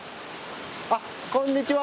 あっこんにちは。